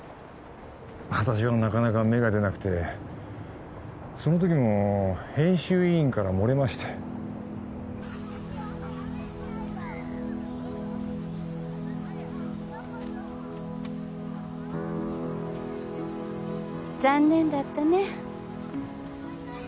私はなかなか芽が出なくてその時も編集委員から漏れまして残念だったね